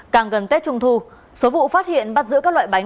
càng gần tết trung thu số vụ phát hiện bắt giữ các loại bánh